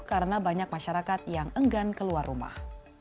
karena banyak masyarakat yang enggan keluar rumah